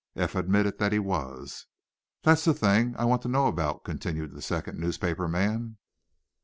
Eph admitted that he was. "That's the thing I want to know about," continued the second newspaper man.